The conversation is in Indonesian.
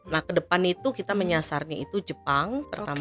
nah ke depan itu kita menyasarnya itu jepang